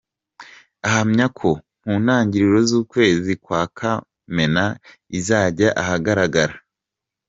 Ahamya ko mu ntangiriro z’ukwezi kwa Kamena izajya ahagaragara.